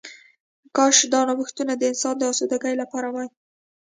کاش دا نوښتونه د انسان د آسوده ګۍ لپاره وای